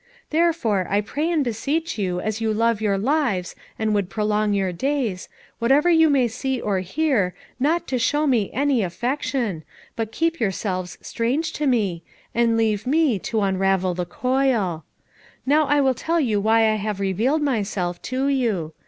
Therefore I pray and beseech you as you love your lives and would prolong your days, whatever you may see or hear, not to show me any affection, but keep yourselves strange to me, and leave me to unravel the coil. Now I will tell why I have revealed myself to you.